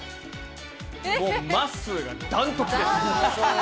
もうまっすーが断トツです。